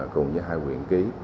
cùng với hai huyện